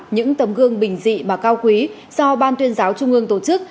những tấm gương bình dị mà cao quý do ban tuyên giáo trung ương tổ chức